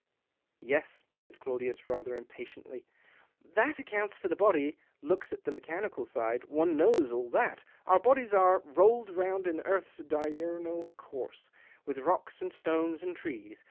" Yes," said Claudius, rather impatiently. 140 THE OCTAVE OF CLAUDIUS. " That accounts for the body — looks at the mechanical side. One knows all that, our bodies are ' roll'd round in earth's diurnal course, with rocks, and stones, and trees.'